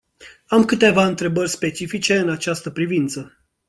Am câteva întrebări specifice în această privință.